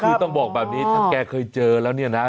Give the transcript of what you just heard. คือต้องบอกแบบนี้ถ้าแกเคยเจอแล้วเนี่ยนะ